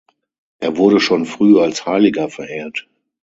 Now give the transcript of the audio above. Er wurde schon früh als Heiliger verehrt.